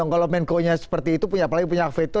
kalau menko nya seperti itu apalagi punya hak veto